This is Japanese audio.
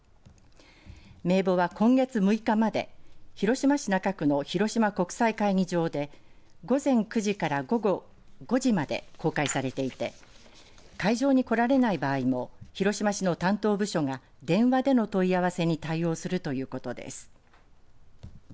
名簿は今月６日まで広島市中区の広島国際会議場で午前９時から午後５時まで公開されていて会場に来られない場合も広島市の担当部署が電話での問い合わせに対応するということです。